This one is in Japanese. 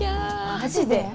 「マジで？」。